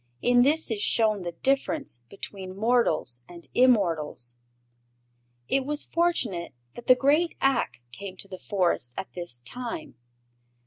In this is shown the difference between mortals and immortals. It was fortunate that the great Ak came to the Forest at this time.